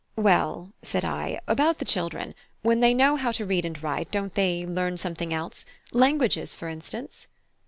"Well," said I, "about the children; when they know how to read and write, don't they learn something else languages, for instance?"